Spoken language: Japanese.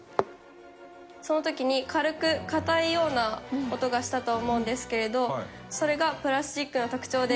その時に軽く硬いような音がしたと思うんですけれどそれがプラスチックの特徴です。